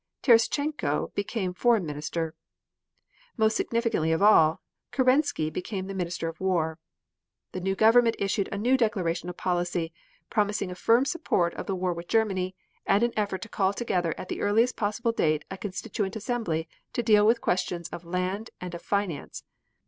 Terestchenko became Foreign Minister. Most significant of all, Kerensky became the Minister of War. The new government issued a new declaration of policy, promising a firm support of the war with Germany, and an effort to call together at the earliest possible date a Constituent Assembly to deal with questions of land and of finance.